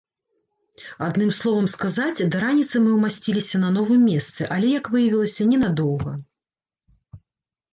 Адным словам сказаць, да раніцы мы ўмасціліся на новым месцы, але, як выявілася, ненадоўга.